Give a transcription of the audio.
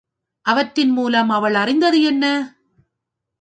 அவற்றின் மூலம் அவள் அறிந்தது என்ன?